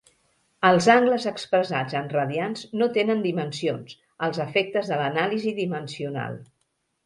Els angles expressats en radians no tenen dimensions, als efectes de l'anàlisi dimensional.